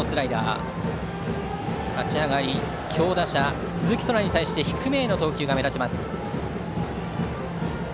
立ち上がり強打者、鈴木昊に対して低めへの投球が目立ちます。